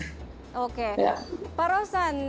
yang pada akhirnya sangat sangat sangat membantu di dalam lapangan